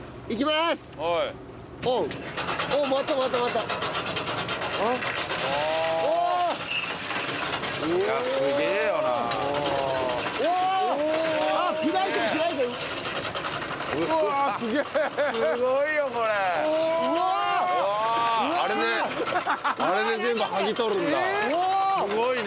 すごいね。